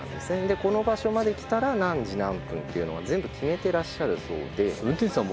でこの場所まで来たら何時何分っていうのが全部決めてらっしゃるそうで。